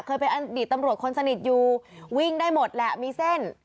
เคยเป็นอดีตตำรวจคนสนิทอยู่วิ่งได้หมดแหละมีเส้น